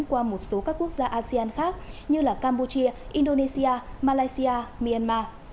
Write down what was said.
qua một số các quốc gia asean khác như campuchia indonesia malaysia myanmar